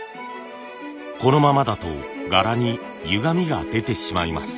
このままだと柄にゆがみが出てしまいます。